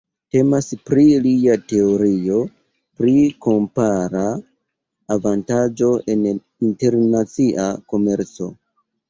Temas pri lia teorio pri kompara avantaĝo en internacia komerco.